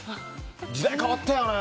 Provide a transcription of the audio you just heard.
時代変わったよね！